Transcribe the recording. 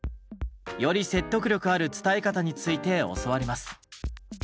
より説得力ある伝え方について教わります。